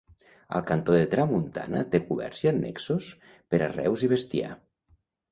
Al cantó de tramuntana té coberts i annexos per arreus i bestiar.